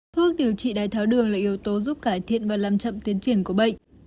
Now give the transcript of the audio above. thuốc điều trị đái tháo đường là yếu tố giúp cải thiện và làm chậm tiến triển của bệnh